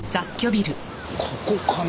ここかな？